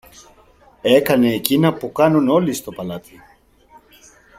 Έκανε εκείνα που κάνουν όλοι στο παλάτι.